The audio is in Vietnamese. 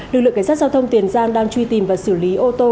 lực lượng cảnh sát giao thông tiền giang đang truy tìm và xử lý ô tô